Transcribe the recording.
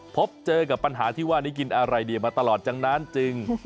พบเจอกับปัญหาที่ว่านี้กินอะไรดีมาตลอดจากนั้นจึง